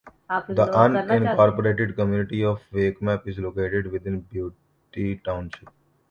The unincorporated community of Wakemup is located within Beatty Township.